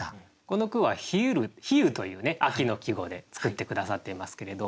この句は「冷ゆる」「冷ゆ」というね秋の季語で作って下さっていますけれど。